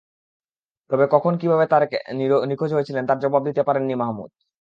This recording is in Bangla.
তবে কখন, কীভাবে তারেক নিখোঁজ হয়েছিলেন, তার জবাব দিতে পারেননি মাহমুদ।